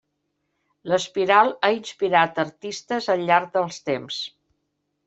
L'espiral ha inspirat artistes al llarg dels temps.